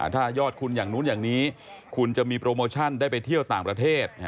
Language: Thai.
ถ้ายอดคุณอย่างนู้นอย่างนี้คุณจะมีโปรโมชั่นได้ไปเที่ยวต่างประเทศ